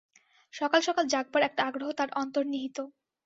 সকাল সকাল জাগবার একটা আগ্রহ তার অন্তর্নিহিত।